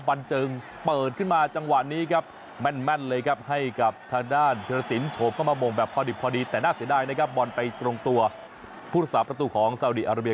ผู้จัดจากประตูของเซาหารัเบีย